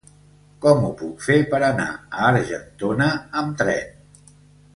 Com ho puc fer per anar a Argentona amb tren?